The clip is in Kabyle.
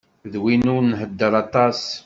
D win ur nhedder aṭas.